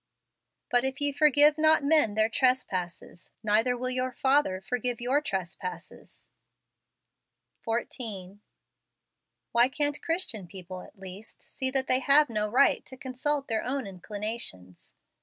" But if ye forgive not men their trespasses, neither will your Father forgive your trespasses." 14. Why can't Christian people at least, see that they have no right to consult their own inclinations